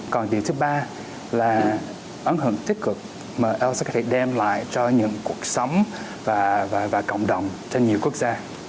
còn điều thứ ba là ấn hưởng tích cực mà aut có thể đem lại cho những cuộc sống và cộng đồng cho nhiều quốc gia